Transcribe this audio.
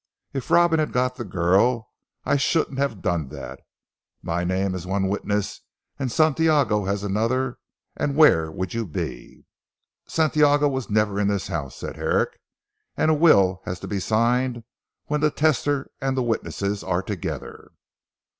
If Robin had got the girl I shouldn't have done that. My name as one witness and Santiago as another, and where would you be?" "Santiago was never in this house," said Herrick, "and a will has to be signed when the testator and the witnesses are together."